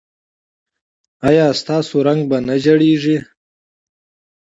ایا ستاسو رنګ به نه زیړیږي؟